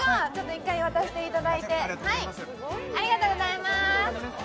一回渡していただいてありがとうございます